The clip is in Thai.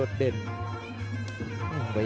สวัสดีครับ